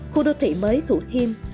khu đô thị mới thủ thiêm